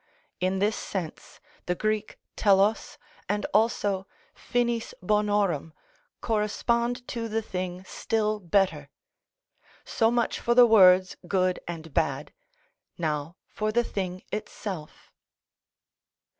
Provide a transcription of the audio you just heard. In this sense the Greek τελος and also finis bonorum correspond to the thing still better. So much for the words good and bad; now for the thing itself.